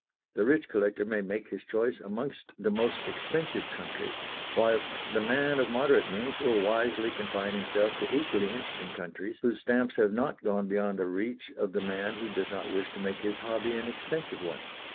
The rich collector may make his choice amongst the most expensive countries, whilst the man of moderate means will wisely confine himself to equally interesting countries whose stamps have not gone beyond the reach of the man who does not wish to make his hobby an expensive one.